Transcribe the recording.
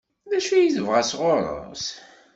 D acu i tebɣa sɣur-s?